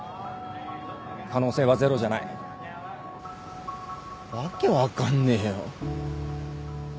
可能性はゼロじゃない訳分かんねえよ。